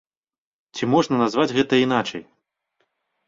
Ці можна назваць гэта іначай?